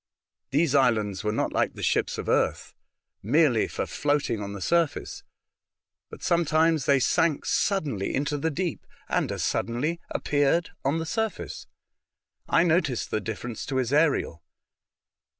These islands were not like the ships of earth, merely 168 A Voyage to Other Worlds. for floating on the surface, bat sometimes they sank suddenly into the deep and as suddenly appeared on the surface. I noticed the difference to Ezariel.